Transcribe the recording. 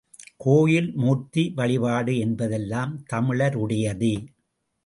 கோயில், மூர்த்தி வழிபாடு என்பதெல்லாம் தமிழருடையதே.